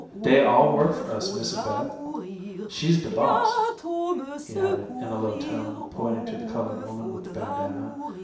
"Dey all work for us, Missy Beth. She's de boss," he added in a low tone pointing to the colored woman with the bandanna.